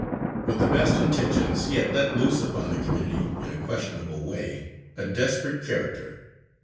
With the best intentions he had let loose upon the community, in a questionable way, a desperate character.